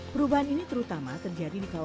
perubahan ini terutama terjadi di kawasan